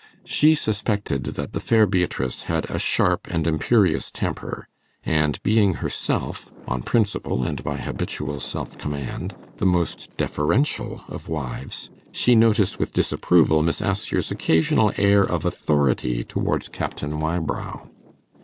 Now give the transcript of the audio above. She suspected that the fair Beatrice had a sharp and imperious temper; and being herself, on principle and by habitual self command, the most deferential of wives, she noticed with disapproval Miss Assher's occasional air of authority towards Captain Wybrow.